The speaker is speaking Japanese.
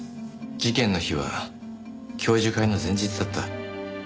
事件の日は教授会の前日だった。